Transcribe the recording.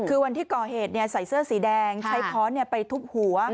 คือวันที่ก่อเหตุใส่เสื้อสีแดงใช้ค้อนไปทุบหัว